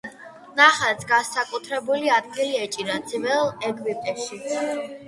ნახატს განსაკუთრებული ადგილი ეჭირა ძველ ეგვიპტეში.